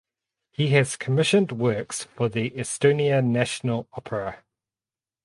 He has commissioned works for the Estonian National Opera.